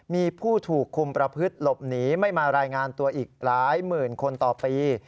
มีผู้ถูกคุมประพฤติหลบหนีไม่มารายงานตัวอีกหลายหมื่นคนต่อปี